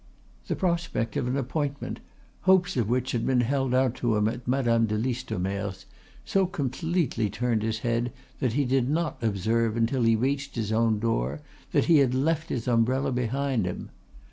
The prospect of an appointment, hopes of which had just been held out to him at Madame de Listomere's, so completely turned his head that he did not observe until he reached his own door that he had left his umbrella behind him.